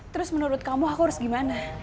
terus menurut kamu aku harus gimana